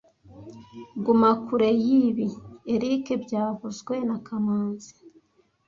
Guma kure yibi, Eric byavuzwe na kamanzi